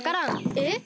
・えっ？